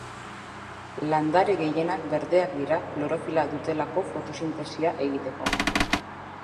Landare gehienak berdeak dira klorofila dutelako fotosintesia egiteko.